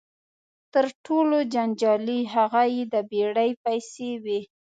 تر ټولو جنجالي هغه یې د بېړۍ پیسې وې.